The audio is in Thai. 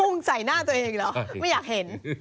ใส่หน้าตัวเองเหรอไม่อยากเห็น